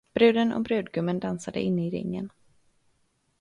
Bruden och brudgummen dansade inne i ringen.